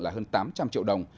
là hơn tám trăm linh triệu đồng